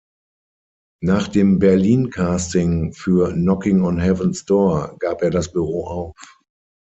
Nach dem Berlin-Casting für "Knockin’ on Heaven’s Door" gab er das Büro auf.